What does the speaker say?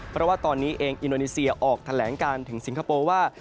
เพราะว่าตอนนี้เองอินโดนีเซียออกแถลงการถึงสิงคโปร์ว่า